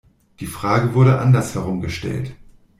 Die Frage wurde andersherum gestellt.